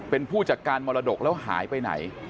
เป็นผู้จัดการมรดกแล้วหายไปไหน